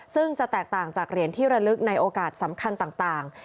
ซึ่งจะแตกต่างจากเหรียญที่ระลึกในโอกาสสำคัญต่าง